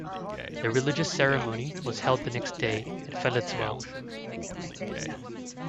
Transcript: The religious ceremony was held the next day at Felizenweil.